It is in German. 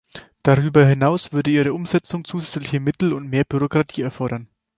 Darüber hinaus würde ihre Umsetzung zusätzliche Mittel und mehr Bürokratie erfordern.